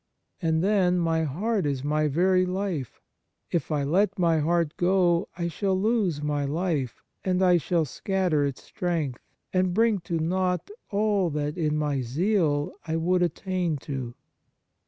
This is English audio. And then, my heart is my very life ; if I let my heart go I shall lose my life, and I shall scatter its strength, and bring to naught all that, in my zeal, I would attain to."